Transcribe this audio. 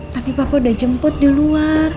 tapi papa udah jemput di luar